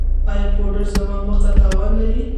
ایا پوډر زما مخ ته تاوان لري؟